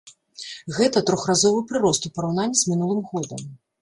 Гэта трохразовы прырост у параўнанні з мінулым годам.